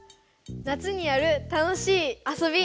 夏にやる楽しいあそび。